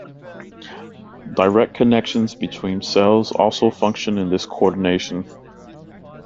Direct connections between cells also function in this coordination.